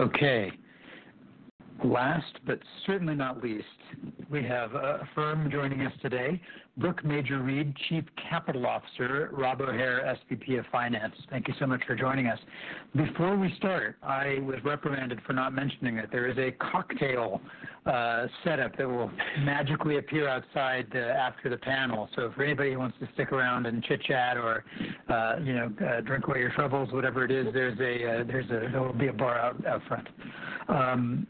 Okay. Last, but certainly not least, we have Affirm joining us today. Brooke Major-Reid, Chief Capital Officer, Rob O'Hare, SVP, Finance. Thank you so much for joining us. Before we start, I was reprimanded for not mentioning it. There is a cocktail setup that will magically appear outside after the panel. For anybody who wants to stick around and chitchat or, you know, drink away your troubles, whatever it is, there will be a bar out front.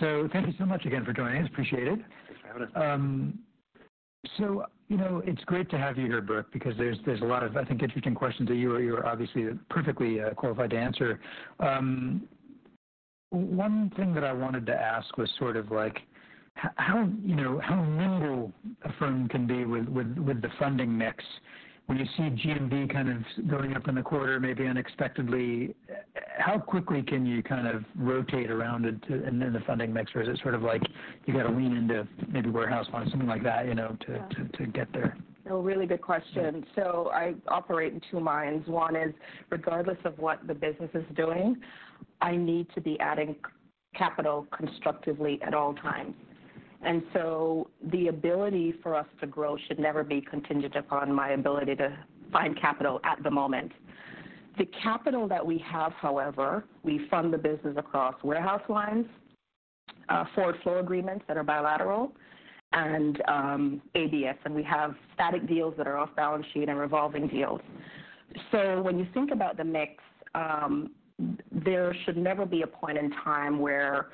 Thank you so much again for joining us. Appreciate it. Thanks for having us. You know, it's great to have you here, Brooke, because there's a lot of, I think, interesting questions that you are, you are obviously perfectly qualified to answer. One thing that I wanted to ask was sort of like how, you know, how nimble Affirm can be with the funding mix. When you see GMV kind of going up in the quarter, maybe unexpectedly, how quickly can you kind of rotate around it to and in the funding mix? Or is it sort of like you gotta lean into maybe warehouse line, something like that, you know, to? Yeah. To get there? No, really good question. I operate in two minds. One is, regardless of what the business is doing, I need to be adding capital constructively at all times. The ability for us to grow should never be contingent upon my ability to find capital at the moment. The capital that we have, however, we fund the business across warehouse lines, forward flow agreements that are bilateral and ABS, and we have static deals that are off balance sheet and revolving deals. When you think about the mix, there should never be a point in time where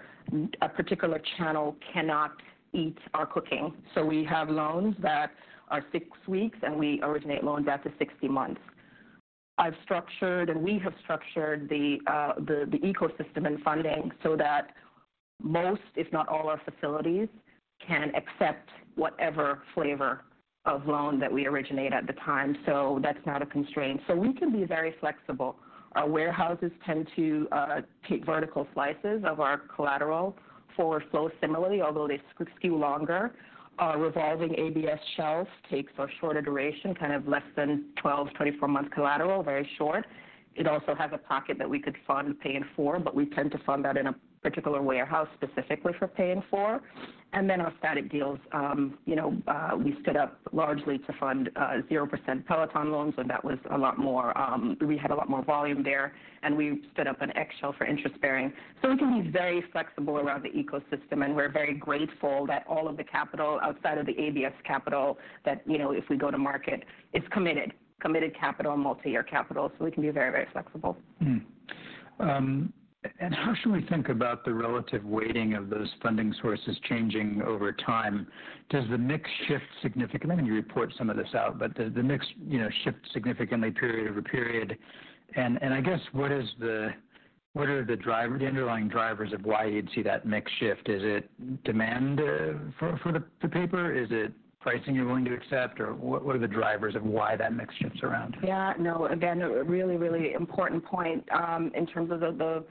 a particular channel cannot eat our cooking. We have loans that are six weeks, and we originate loans out to 60 months. I've structured and we have structured the ecosystem and funding so that most, if not all, our facilities can accept whatever flavor of loan that we originate at the time. That's not a constraint. We can be very flexible. Our warehouses tend to take vertical slices of our collateral. Forward flow, similarly, although they sku longer. Our revolving ABS shelf takes a shorter duration, kind of less than 12, 24 month collateral, very short. It also has a pocket that we could fund Pay in 4, but we tend to fund that in a particular warehouse specifically for Pay in 4. Then our static deals, you know, we stood up largely to fund 0% Peloton loans, and that was a lot more, we had a lot more volume there, and we stood up an Xshell for interest bearing. We can be very flexible around the ecosystem, and we're very grateful that all of the capital outside of the ABS capital that, you know, if we go to market, is committed capital, multi-year capital. We can be very, very flexible. How should we think about the relative weighting of those funding sources changing over time? Does the mix shift significantly? I know you report some of this out, does the mix, you know, shift significantly period over period? I guess what are the underlying drivers of why you'd see that mix shift? Is it demand for the paper? Is it pricing you're willing to accept, or what are the drivers of why that mix shifts around? Yeah. No. Again, a really, really important point, in terms of the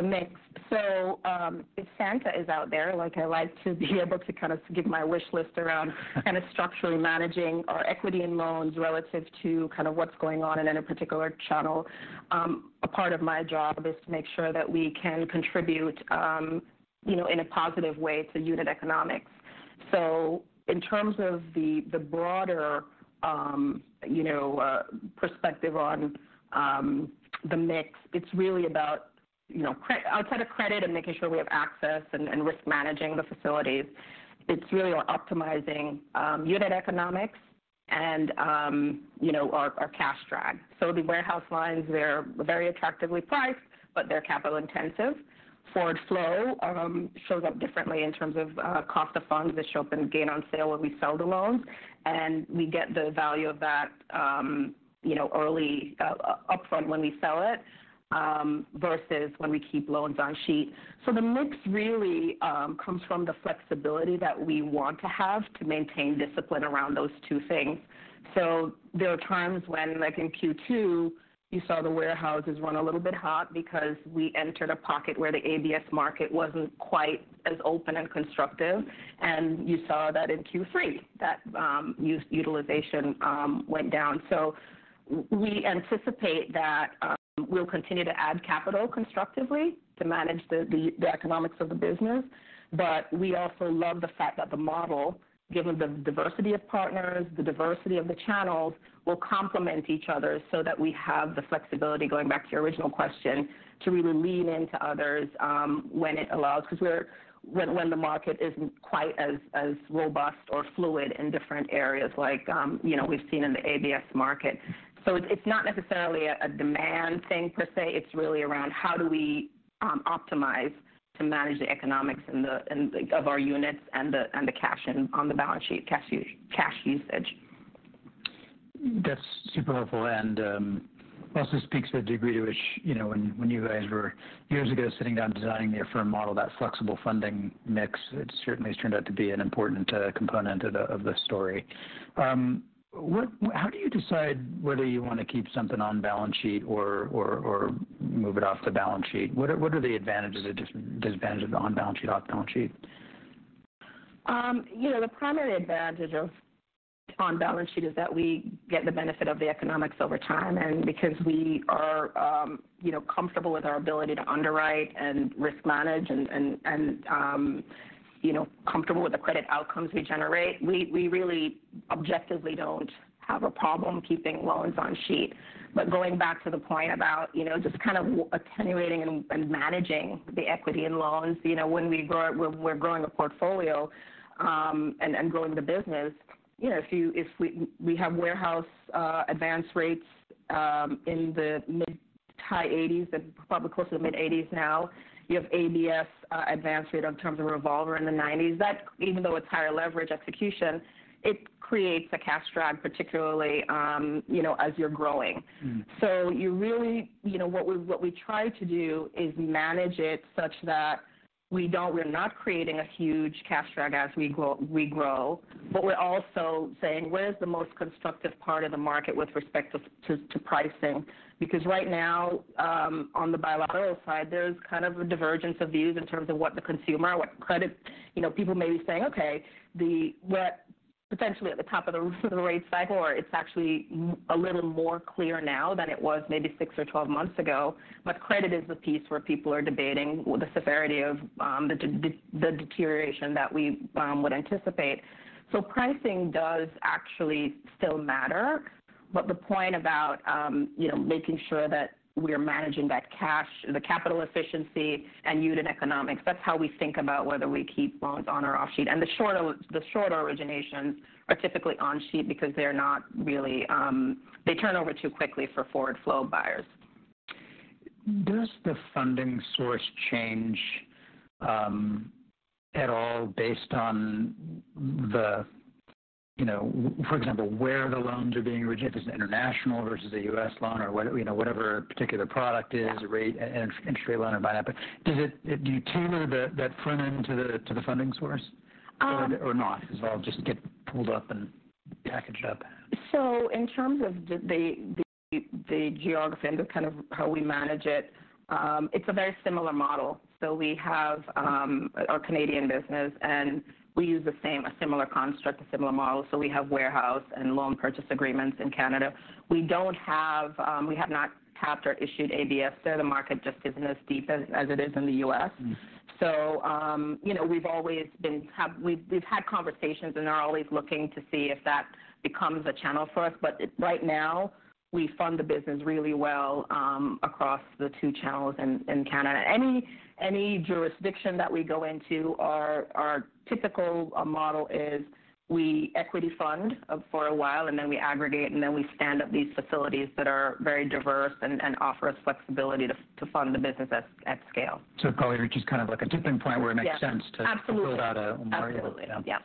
mix. If Santa is out there, like I like to be able to kind of give my wish list kind of structurally managing our equity and loans relative to kind of what's going on in any particular channel, a part of my job is to make sure that we can contribute, you know, in a positive way to unit economics. In terms of the broader, you know, perspective on, the mix, it's really about, you know, outside of credit and making sure we have access and risk managing the facilities, it's really optimizing, unit economics and, you know, our cash drag. The warehouse lines, they're very attractively priced, but they're capital intensive. Forward flow shows up differently in terms of cost of funds. They show up in gain on sale when we sell the loans, and we get the value of that, you know, early upfront when we sell it, versus when we keep loans on sheet. The mix really comes from the flexibility that we want to have to maintain discipline around those two things. There are times when, like in Q2, you saw the warehouses run a little bit hot because we entered a pocket where the ABS market wasn't quite as open and constructive, and you saw that in Q3, that U.S. utilization went down. We anticipate that we'll continue to add capital constructively to manage the economics of the business. We also love the fact that the model, given the diversity of partners, the diversity of the channels, will complement each other so that we have the flexibility, going back to your original question, to really lean into others, when it allows, 'cause when the market isn't quite as robust or fluid in different areas like, you know, we've seen in the ABS market. It's not necessarily a demand thing per se. It's really around how do we optimize to manage the economics of our units and the cash on the balance sheet, cash usage. That's super helpful and also speaks to the degree to which, you know, when you guys were years ago sitting down designing the Affirm model, that flexible funding mix, it certainly has turned out to be an important component of the story. How do you decide whether you wanna keep something on balance sheet or move it off the balance sheet? What are the advantages and disadvantages of on-balance sheet, off-balance sheet? You know, the primary advantage of on balance sheet is that we get the benefit of the economics over time. Because we are, you know, comfortable with our ability to underwrite and risk manage and, and, you know, comfortable with the credit outcomes we generate, we really objectively don't have a problem keeping loans on sheet. Going back to the point about, you know, just kind of attenuating and managing the equity in loans, you know, when we grow, we're growing a portfolio, and growing the business, you know, if we have warehouse advance rates in the mid-80s, high 80s and probably closer to mid-80s now, you have ABS advance rate in terms of revolver in the 90s, that's, even though it's higher leverage execution, it creates a cash drag, particularly, you know, as you're growing. Mm. You really, you know, what we try to do is manage it such that we're not creating a huge cash drag as we grow, but we're also saying, "Where's the most constructive part of the market with respect to pricing?" Right now, on the bilateral side, there's kind of a divergence of views in terms of what the consumer, what credit. You know, people may be saying, "Okay, we're potentially at the top of the rate cycle," or it's actually a little more clear now than it was maybe 6 or 12 months ago. Credit is the piece where people are debating the severity of the deterioration that we would anticipate. Pricing does actually still matter. The point about, you know, making sure that we're managing that cash, the capital efficiency and unit economics, that's how we think about whether we keep loans on or off sheet. The shorter originations are typically on sheet because they're not really. They turn over too quickly for forward flow buyers. Does the funding source change, at all based on the, you know, for example, where the loans are being originated, if it's international versus a U.S. loan or what, you know, whatever particular product? Yeah. -rate, in-interest rate loan or buy that. Do you tailor that front end to the funding source or not? It all just get pulled up and packaged up. In terms of the geography and the kind of how we manage it's a very similar model. We have our Canadian business, and we use a similar construct, a similar model, so we have warehouse and loan purchase agreements in Canada. We don't have, we have not tapped or issued ABS there. The market just isn't as deep as it is in the U.S. Mm. you know, we've always been we've had conversations, and are always looking to see if that becomes a channel for us. Right now we fund the business really well, across the two channels in Canada. Any jurisdiction that we go into, our typical model is we equity fund for a while and then we aggregate, and then we stand up these facilities that are very diverse and offer us flexibility to fund the business at scale. Probably just kind of like a tipping point where it makes sense. Yeah. Absolutely. to build out a model. Absolutely. Yeah.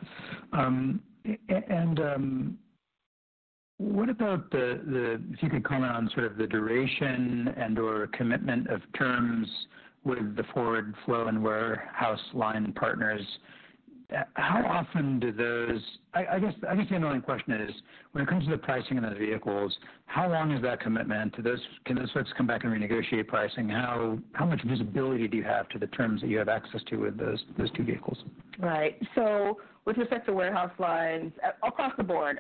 What about the duration and/or commitment of terms with the forward flow and warehouse line partners? I guess the underlying question is, when it comes to the pricing of the vehicles, how long is that commitment? Can those folks come back and renegotiate pricing? How much visibility do you have to the terms that you have access to with those two vehicles? Right. With respect to warehouse lines, across the board,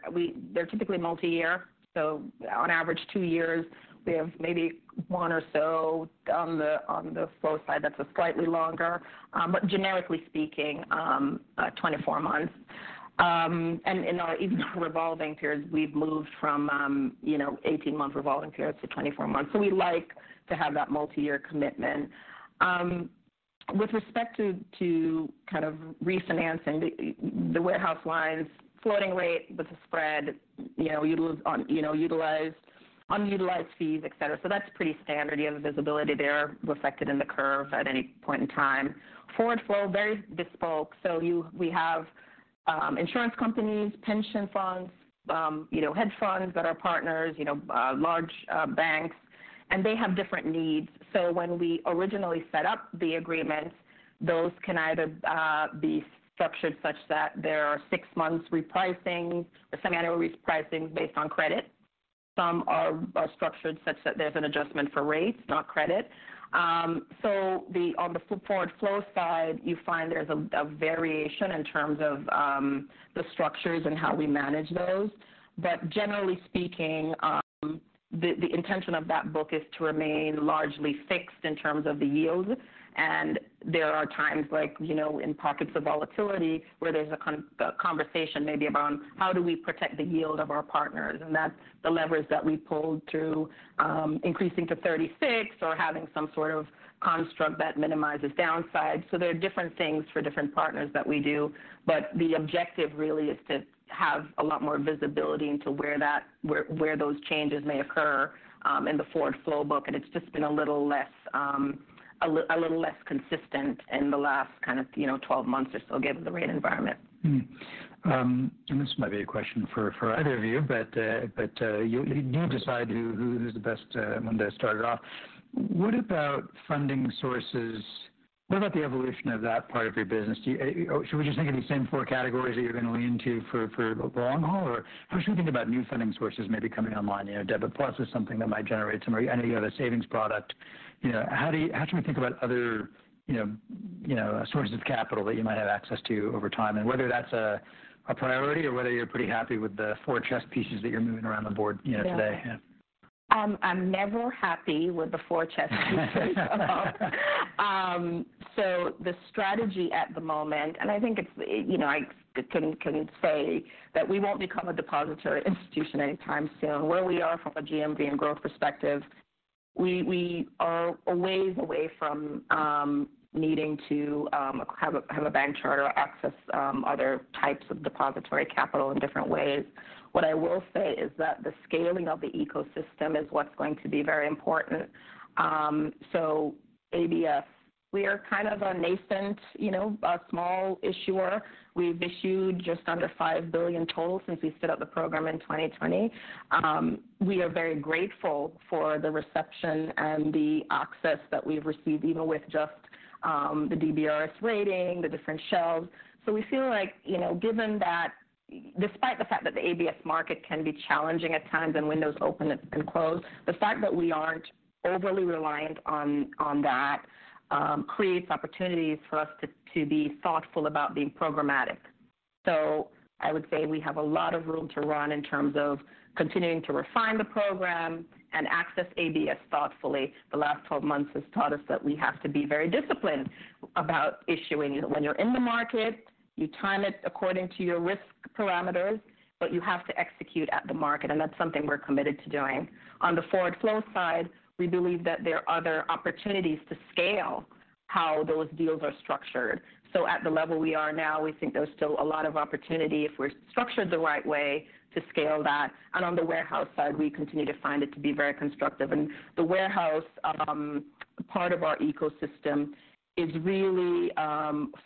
they're typically multi-year, so on average two years. We have maybe one or so on the, on the flow side that's slightly longer. Generically speaking, 24 months. In our even revolving periods, we've moved from, you know, 18-month revolving periods to 24 months. We like to have that multi-year commitment. With respect to kind of refinancing the warehouse lines floating rate with the spread, you know, utilized, unutilized fees, et cetera. That's pretty standard. You have the visibility there reflected in the curve at any point in time. Forward flow, very bespoke. We have insurance companies, pension funds, you know, hedge funds that are partners, you know, large banks, and they have different needs. When we originally set up the agreements, those can either be structured such that there are 6 months repricing or semiannual repricing based on credit. Some are structured such that there's an adjustment for rates, not credit. On the forward flow side, you find there's a variation in terms of the structures and how we manage those. Generally speaking, the intention of that book is to remain largely fixed in terms of the yields. There are times like, you know, in pockets of volatility, where there's a conversation maybe about how do we protect the yield of our partners? That's the levers that we pulled through, increasing to 36 or having some sort of construct that minimizes downside. There are different things for different partners that we do, but the objective really is to have a lot more visibility into where those changes may occur in the forward flow book. It's just been a little less consistent in the last kind of, you know, 12 months or so given the rate environment. This might be a question for either of you, but, you decide who's the best one to start it off. What about funding sources? What about the evolution of that part of your business? Or should we just think of these same four categories that you're gonna lean to for long haul? Or how should we think about new funding sources maybe coming online? You know, Debit+ is something that might generate some or any other savings product. You know, how should we think about other, you know, sources of capital that you might have access to over time? And whether that's a priority or whether you're pretty happy with the four chess pieces that you're moving around the board, you know, today? Yeah. I'm never happy with the four chess pieces. The strategy at the moment, and I think it's, you know, I can say that we won't become a depository institution anytime soon. Where we are from a GMV and growth perspective, we are a ways away from needing to have a bank charter or access other types of depository capital in different ways. What I will say is that the scaling of the ecosystem is what's going to be very important. ABS, we are kind of a nascent, you know, a small issuer. We've issued just under $5 billion total since we stood up the program in 2020. We are very grateful for the reception and the access that we've received, even with just the DBRS rating, the different shelves. We feel like, you know, given that despite the fact that the ABS market can be challenging at times and windows open and close, the fact that we aren't overly reliant on that creates opportunities for us to be thoughtful about being programmatic. I would say we have a lot of room to run in terms of continuing to refine the program and access ABS thoughtfully. The last 12 months has taught us that we have to be very disciplined about issuing. When you're in the market, you time it according to your risk parameters, but you have to execute at the market, and that's something we're committed to doing. On the forward flow side, we believe that there are other opportunities to scale how those deals are structured. At the level we are now, we think there's still a lot of opportunity if we're structured the right way to scale that. On the warehouse side, we continue to find it to be very constructive. The warehouse part of our ecosystem is really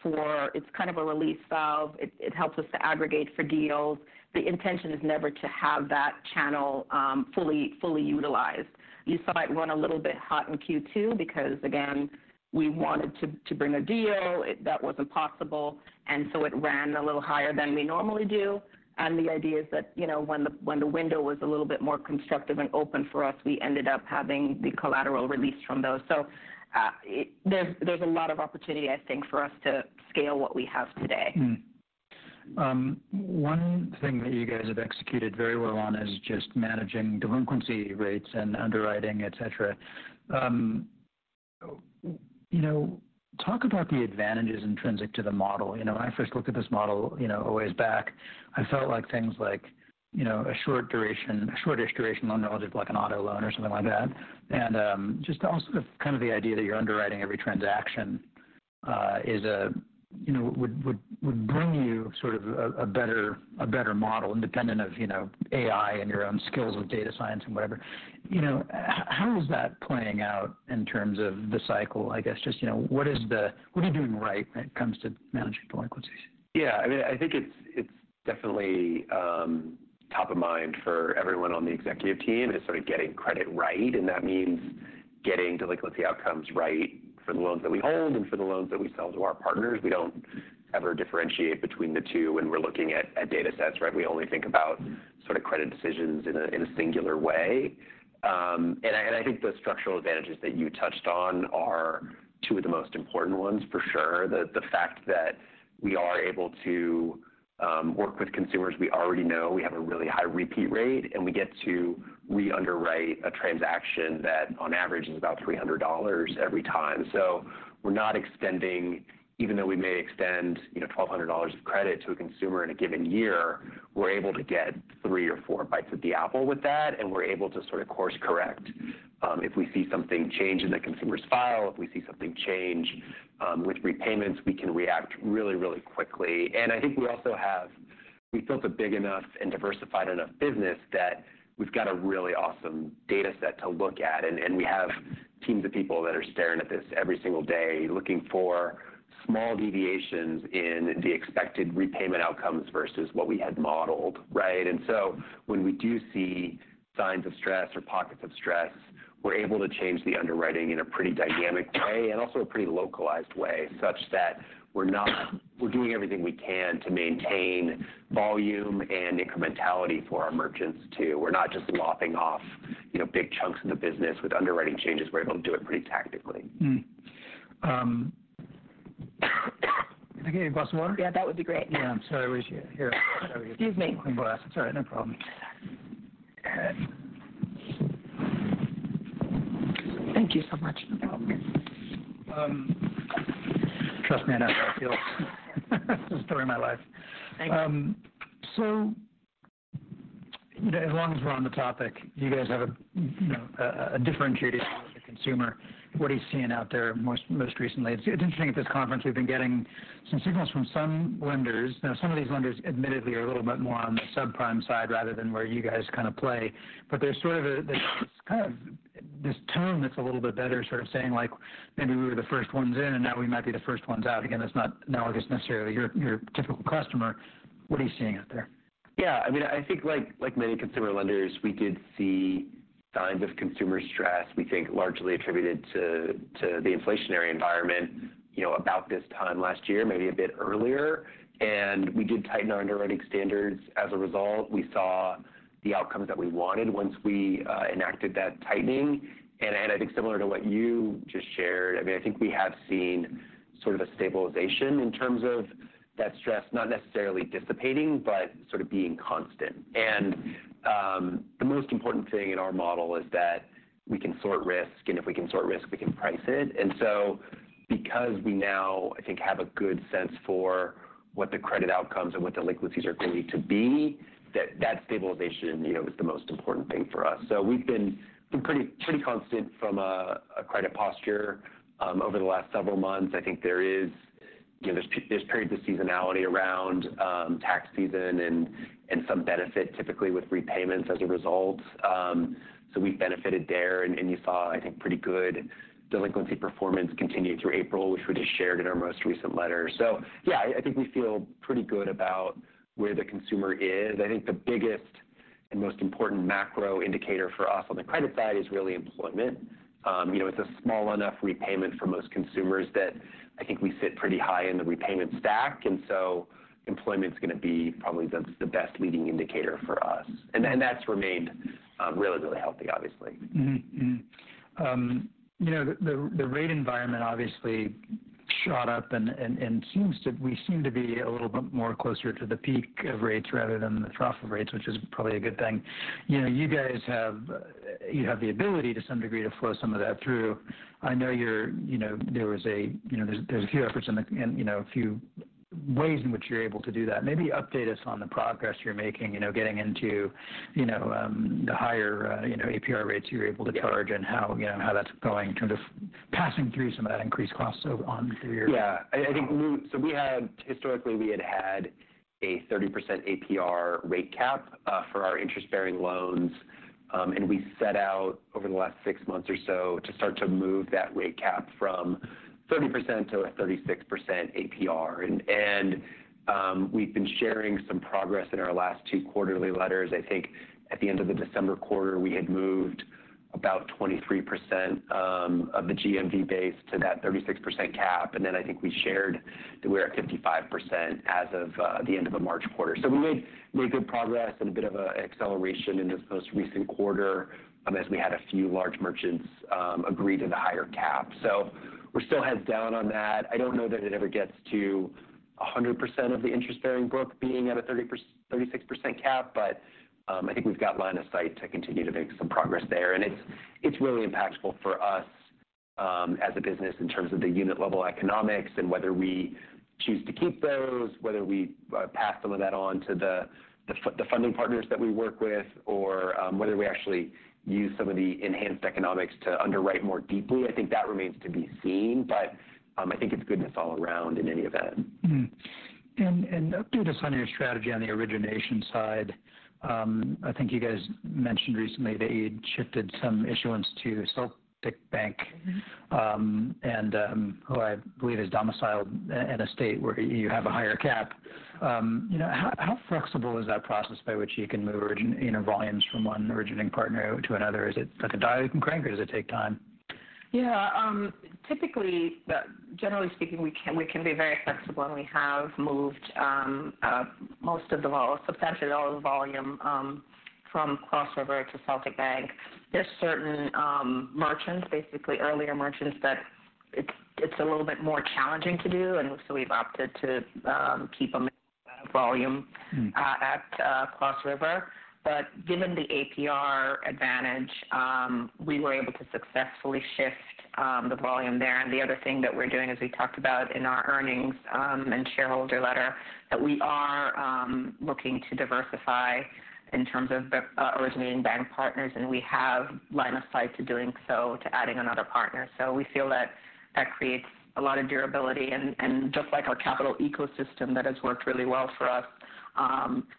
for... It's kind of a release valve. It helps us to aggregate for deals. The intention is never to have that channel fully utilized. You saw it run a little bit hot in Q2 because, again, we wanted to bring a deal. That wasn't possible, and so it ran a little higher than we normally do. The idea is that, you know, when the, when the window was a little bit more constructive and open for us, we ended up having the collateral release from those. There's a lot of opportunity, I think, for us to scale what we have today. One thing that you guys have executed very well on is just managing delinquency rates and underwriting, et cetera. You know, talk about the advantages intrinsic to the model. You know, when I first looked at this model, you know, a ways back, I felt like things like, you know, a short duration, a shortish duration loan relative to like an auto loan or something like that. Just also the, kind of the idea that you're underwriting every transaction, is a, you know, would bring you sort of a better model independent of, you know, AI and your own skills with data science and whatever. You know, how is that playing out in terms of the cycle? I guess just, you know, What are you doing right when it comes to managing delinquencies? I mean, I think it's definitely top of mind for everyone on the executive team is sort of getting credit right, and that means getting delinquency outcomes right for the loans that we hold and for the loans that we sell to our partners. We don't ever differentiate between the two when we're looking at data sets, right? We only think about sort of credit decisions in a singular way. And I think the structural advantages that you touched on are two of the most important ones for sure. The fact that we are able to work with consumers we already know, we have a really high repeat rate, and we get to re-underwrite a transaction that on average is about $300 every time. We're not extending. Even though we may extend, you know, $1,200 of credit to a consumer in a given year, we're able to get three or four bites at the apple with that, and we're able to sort of course correct. If we see something change in the consumer's file, if we see something change, with repayments, we can react really, really quickly. We've built a big enough and diversified enough business that we've got a really awesome data set to look at, and we have teams of people that are staring at this every single day looking for small deviations in the expected repayment outcomes versus what we had modeled, right? When we do see signs of stress or pockets of stress, we're able to change the underwriting in a pretty dynamic way and also a pretty localized way such that We're doing everything we can to maintain volume and incrementality for our merchants too. We're not just lopping off, you know, big chunks of the business with underwriting changes. We're able to do it pretty tactically. Can I get you a glass of water? Yeah, that would be great. Yeah. I'm sorry, Rach. Here. I know. Excuse me. have a clean glass. It's all right. No problem. Go ahead. Thank you so much. No problem. trust me on that, I feel. Story of my life. Thank you. As long as we're on the topic, do you guys have a, you know, a differentiating with the consumer? What are you seeing out there most recently? It's interesting at this conference, we've been getting some signals from some lenders. Now, some of these lenders admittedly are a little bit more on the subprime side rather than where you guys kind of play. There's kind of this tone that's a little bit better, sort of saying like, "Maybe we were the first ones in, and now we might be the first ones out again." I don't think it's necessarily your typical customer. What are you seeing out there? Yeah. I mean, I think like many consumer lenders, we did see signs of consumer stress, we think largely attributed to the inflationary environment, you know, about this time last year, maybe a bit earlier. We did tighten our underwriting standards as a result. We saw the outcomes that we wanted once we enacted that tightening. I think similar to what you just shared, I mean, I think we have seen sort of a stabilization in terms of that stress not necessarily dissipating, but sort of being constant. The most important thing in our model is that we can sort risk, and if we can sort risk, we can price it. Because we now I think have a good sense for what the credit outcomes and what delinquencies are going to be, that stabilization, you know, is the most important thing for us. We've been pretty constant from a credit posture over the last several months. I think there is. You know, there's periods of seasonality around tax season and some benefit typically with repayments as a result. We've benefited there. You saw, I think, pretty good delinquency performance continue through April, which we just shared in our most recent letter. Yeah, I think we feel pretty good about where the consumer is. I think the biggest and most important macro indicator for us on the credit side is really employment. You know, it's a small enough repayment for most consumers that I think we sit pretty high in the repayment stack, and so employment's gonna be probably the best leading indicator for us. And that's remained really, really healthy, obviously. You know, the rate environment obviously shot up and we seem to be a little bit more closer to the peak of rates rather than the trough of rates, which is probably a good thing. You know, you guys have the ability to some degree to flow some of that through. I know you're, you know, there was a, you know, there's a few efforts and, you know, a few ways in which you're able to do that. Maybe update us on the progress you're making, you know, getting into, you know, the higher, you know, APR rates you're able to. Yeah... and how, you know, how that's going in terms of passing through some of that increased cost, so on through your. Yeah. I think we Historically, we had a 30% APR rate cap for our interest-bearing loans. We set out over the last six months or so to start to move that rate cap from 30% to a 36% APR. We've been sharing some progress in our last two quarterly letters. I think at the end of the December quarter, we had moved about 23% of the GMV base to that 36% cap. I think we shared that we're at 55% as of the end of the March quarter. We made good progress and a bit of a acceleration in this most recent quarter, as we had a few large merchants agree to the higher cap. We're still heads down on that. I don't know that it ever gets to a 100% of the interest-bearing book being at a 36% cap, but I think we've got line of sight to continue to make some progress there. It's really impactful for us as a business in terms of the unit level economics and whether we choose to keep those, whether we pass some of that on to the funding partners that we work with, or whether we actually use some of the enhanced economics to underwrite more deeply. I think that remains to be seen, but I think it's goodness all around in any event. Mm-hmm. Update us on your strategy on the origination side. I think you guys mentioned recently that you had shifted some issuance to Celtic Bank. Mm-hmm... and, who I believe is domiciled in a state where you have a higher cap. you know, how flexible is that process by which you can move you know, volumes from one originating partner to another? Is it like a dial and crank, or does it take time? Yeah. Typically, generally speaking, we can be very flexible, and we have moved substantially all of the volume from Cross River to Celtic Bank. There's certain merchants, basically earlier merchants that it's a little bit more challenging to do, we've opted to keep them at volume- Mm-hmm... at Cross River. Given the APR advantage, we were able to successfully shift the volume there. The other thing that we're doing, as we talked about in our earnings and shareholder letter, that we are looking to diversify in terms of the originating bank partners, and we have line of sight to doing so, to adding another partner. We feel that that creates a lot of durability and just like our capital ecosystem that has worked really well for us,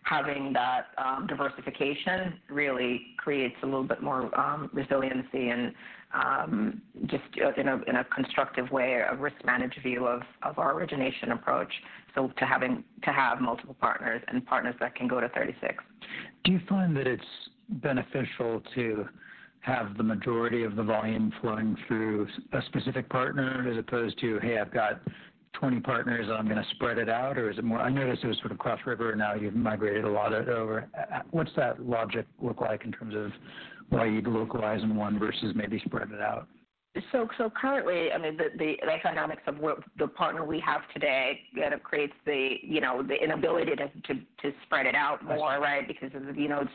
having that diversification really creates a little bit more resiliency and just in a constructive way, a risk managed view of our origination approach, so to have multiple partners and partners that can go to 36. Do you find that it's beneficial to have the majority of the volume flowing through a specific partner as opposed to, hey, I've got 20 partners, and I'm gonna spread it out? Is it more, I noticed it was sort of Cross River, and now you've migrated a lot of it over. What's that logic look like in terms of why you'd localize in one versus maybe spread it out? Currently, I mean, the economics of what the partner we have today kind of creates the, you know, the inability to spread it out more, right? Right. Because of, you know. Mm-hmm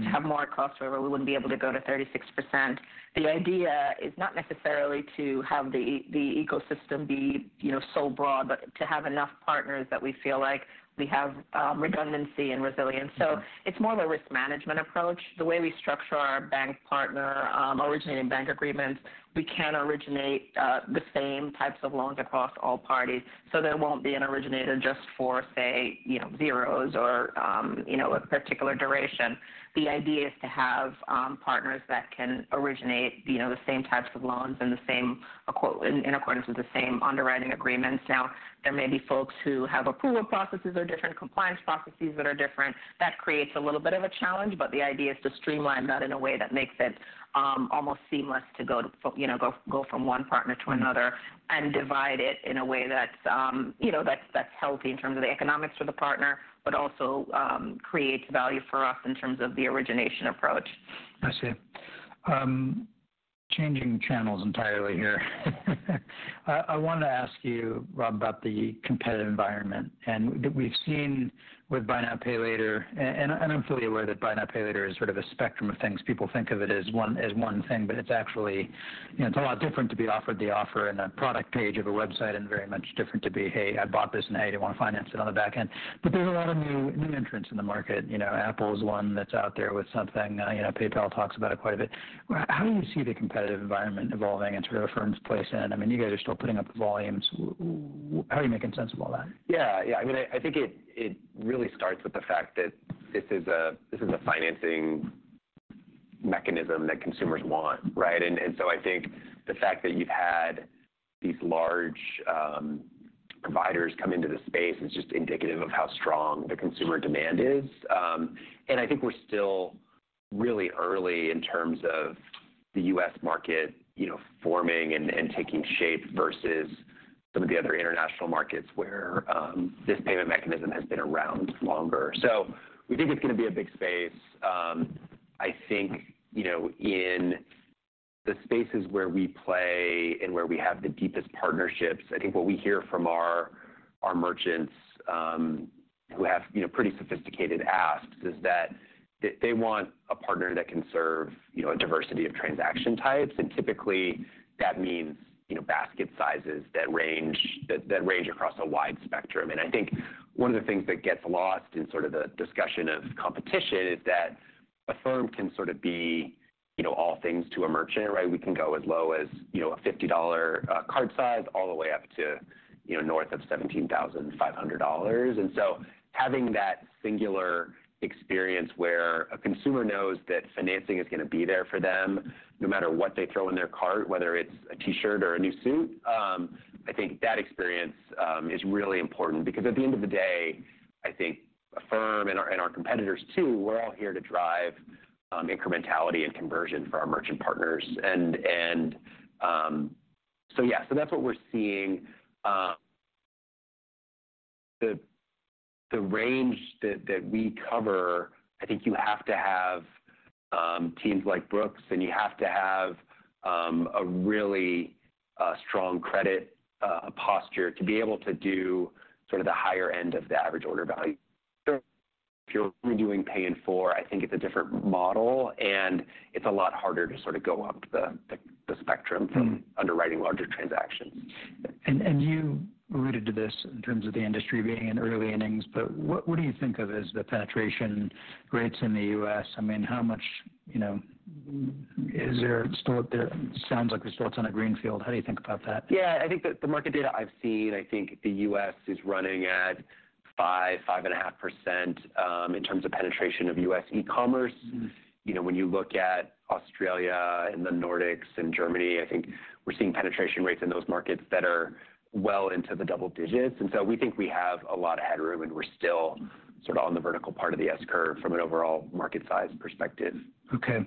to have more at Cross River, we wouldn't be able to go to 36%. The idea is not necessarily to have the ecosystem be, you know, so broad, but to have enough partners that we feel like we have redundancy and resilience. Mm-hmm. It's more of a risk management approach. The way we structure our bank partner, originating bank agreements, we can originate the same types of loans across all parties. There won't be an originator just for, say, you know, zeros or, you know, a particular duration. The idea is to have partners that can originate, you know, the same types of loans in accordance with the same underwriting agreements. There may be folks who have approval processes or different compliance processes that are different. That creates a little bit of a challenge, but the idea is to streamline that in a way that makes it almost seamless to go to, you know, go from one partner to another. Mm-hmm... and divide it in a way that, you know, that's healthy in terms of the economics for the partner, but also, creates value for us in terms of the origination approach. I see. Changing channels entirely here. I wanna ask you, Rob, about the competitive environment. We've seen with buy now, pay later, and I'm fully aware that buy now, pay later is sort of a spectrum of things. People think of it as one, as one thing, but it's actually, you know, it's a lot different to be offered the offer in a product page of a website, and very much different to be, "Hey, I bought this," and "Hey, do you wanna finance it on the back end?" There's a lot of new entrants in the market. You know, Apple is one that's out there with something. You know, PayPal talks about it quite a bit. How do you see the competitive environment evolving into Affirm's place in it? I mean, you guys are still putting up the volumes. How are you making sense of all that? Yeah. Yeah. I mean, I think it really starts with the fact that this is a financing mechanism that consumers want, right? I think the fact that you've had these large providers come into the space is just indicative of how strong the consumer demand is. I think we're still really early in terms of the U.S. market, you know, forming and taking shape versus some of the other international markets where this payment mechanism has been around longer. We think it's gonna be a big space. I think, you know, in the spaces where we play and where we have the deepest partnerships, I think what we hear from our merchants, who have, you know, pretty sophisticated asks is that they want a partner that can serve, you know, a diversity of transaction types. Typically, that means, you know, basket sizes that range across a wide spectrum. I think one of the things that gets lost in sort of the discussion of competition is that Affirm can sort of be, you know, all things to a merchant, right? We can go as low as, you know, a $50 cart size all the way up to, you know, north of $17,500. Having that singular experience where a consumer knows that financing is gonna be there for them no matter what they throw in their cart, whether it's a T-shirt or a new suit, I think that experience is really important. I think Affirm and our competitors too, we're all here to drive incrementality and conversion for our merchant partners. That's what we're seeing. The range that we cover, I think you have to have teams like Brooks, and you have to have a really strong credit posture to be able to do sort of the higher end of the average order value. If you're redoing Pay in 4, I think it's a different model, and it's a lot harder to sort of go up the spectrum from underwriting larger transactions. You alluded to this in terms of the industry being in early innings, what do you think of as the penetration rates in the US? I mean, how much, you know, is there still? It sounds like we're still on a green field. How do you think about that? Yeah. I think the market data I've seen, I think the US is running at 5.5%, in terms of penetration of US e-commerce. Mm-hmm. You know, when you look at Australia and the Nordics and Germany, I think we're seeing penetration rates in those markets that are well into the double digits. We think we have a lot of headroom, and we're still sort of on the vertical part of the S-curve from an overall market size perspective. Okay.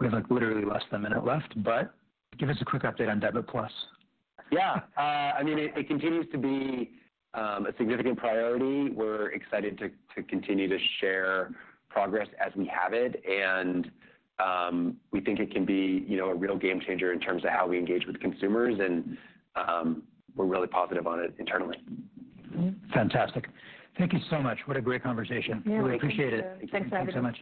We have, like, literally less than one minute left, but give us a quick update on Debit+. Yeah. I mean, it continues to be a significant priority. We're excited to continue to share progress as we have it, we think it can be, you know, a real game changer in terms of how we engage with consumers, we're really positive on it internally. Fantastic. Thank you so much. What a great conversation. Yeah. Thank you. Really appreciate it. Thanks, everybody. Thank you so much.